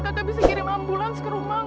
kakak bisa kirim ambulans ke rumah enggak